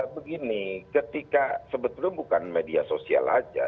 begini ketika sebetulnya bukan media sosial aja